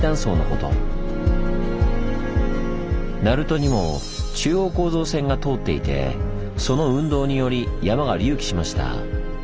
鳴門にも中央構造線が通っていてその運動により山が隆起しました。